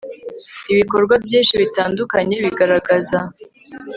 ibikorwa byinshi bitandukanye bigaragaza